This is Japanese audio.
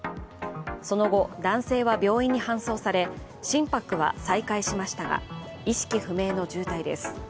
その後、男性は病院に搬送され心拍は再開しましたが意識不明の重体です。